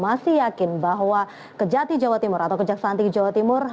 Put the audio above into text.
masih yakin bahwa kejati jawa timur atau kejaksaan tinggi jawa timur